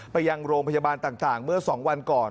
ไปยังโรงพยาบาลต่างเมื่อ๒วันก่อน